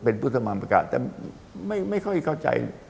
เป็นพุทธมามประกาศแต่ไม่ค่อยเข้าใจ